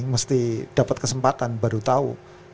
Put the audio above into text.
mesti dapat kesempatan baru tahu